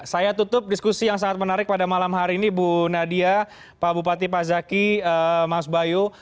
saya tutup diskusi yang sangat menarik pada malam hari ini bu nadia pak bupati pak zaki mas bayu